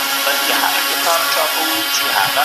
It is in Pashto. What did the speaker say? ولي وېره زموږ د رواني پرمختګ مخه نیسي؟